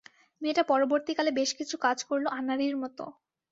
মেয়েটা পরবর্তীকালে বেশ কিছু কাজ করল আনাড়ির মতো।